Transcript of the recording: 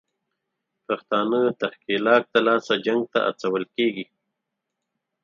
پښتانه د ښکېلاک دلاسه جنګ ته هڅول کېږي